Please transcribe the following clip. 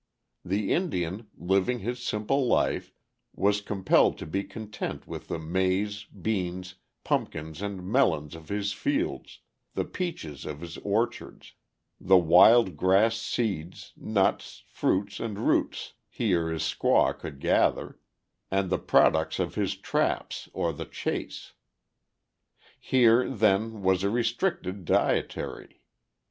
The Indian, living his simple life, was compelled to be content with the maize, beans, pumpkins, and melons of his fields, the peaches of his orchards, the wild grass seeds, nuts, fruits, and roots he or his squaw could gather, and the products of his traps or the chase. Here, then, was a restricted dietary.